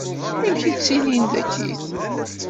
Amek i ttilin akkit?